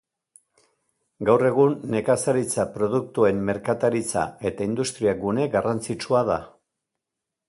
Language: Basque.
Gaur egun nekazaritza-produktuen merkataritza eta industria-gune garrantzitsua da.